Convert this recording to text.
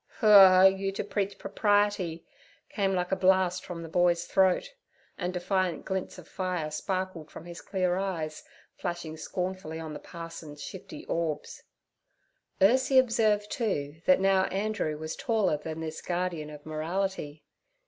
'Hur! You to preach propriety' came like a blast from the boy's throat, and defiant glints of fire sparkled from his clear eyes flashing scornfully on the parson's shifty orbs. Ursie observed, too, that now Andrew was taller than this guardian of morality.